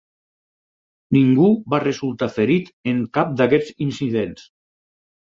Ningú va resultar ferit en cap d'aquests incidents.